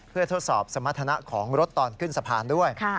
เพื่อทดสอบสมรรถนะของรถตอนขึ้นสะพานด้วย